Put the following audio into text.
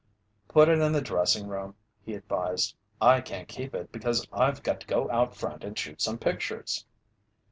"Put it in the dressing room," he advised. "I can't keep it, because I've got to go out front and shoot some pictures."